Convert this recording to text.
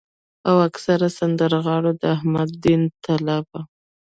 او اکثره سندرغاړو د احمد دين طالب